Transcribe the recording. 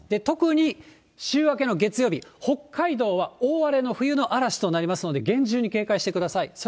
特に週明けの月曜日、北海道は大荒れのふゆのあらしとなりますので厳重に警戒してください。